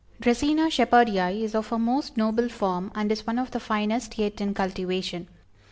Dracæna Shepherdii is of a most noble form, and is one of the finest yet in cultivation.